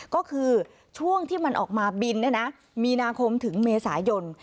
ก็คือช่วงที่มันออกมาบินมีนาคมถึงเมษายน